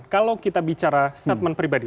kalau kita bicara statement pribadi